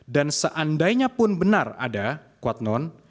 dan seandainya pun benar ada kuat non